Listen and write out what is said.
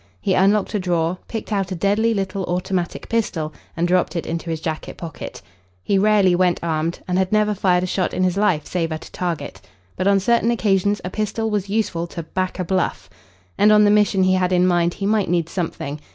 He unlocked a drawer, picked out a deadly little automatic pistol, and dropped it into his jacket pocket. He rarely went armed, and had never fired a shot in his life save at a target. But on certain occasions a pistol was useful to "back a bluff." And on the mission he had in mind he might need something.